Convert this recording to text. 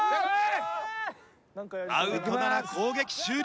アウトなら攻撃終了。